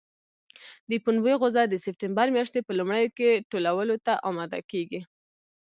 د پنبې غوزه د سپټمبر میاشتې په لومړیو کې ټولولو ته اماده کېږي.